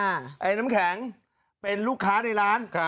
ไอ้น้ำแข็งเป็นลูกค้าในร้าน